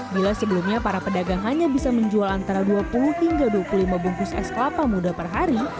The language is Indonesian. bila sebelumnya para pedagang hanya bisa menjual antara dua puluh hingga dua puluh lima bungkus es kelapa muda per hari